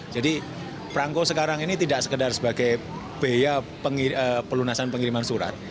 jadi perangko sekarang ini tidak sekedar sebagai beya pelunasan pengiriman surat